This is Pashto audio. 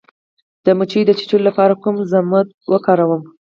د مچۍ د چیچلو لپاره کوم ضماد وکاروم؟